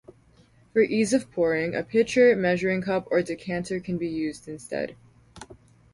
For ease of pouring, a pitcher, measuring cup, or decanter can be used instead.